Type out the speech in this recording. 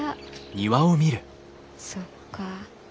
そっか。